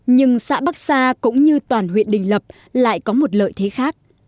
nhưng xã bắc sa cũng như toàn huyện đình lập lại có một lợi thế khác